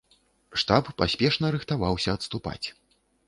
Штаб паспешна рыхтаваўся адступаць.